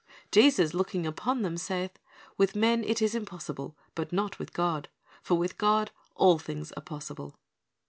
"Jesus looking upon them saith, With men it is impossible, but not with God; for with God all things are possible."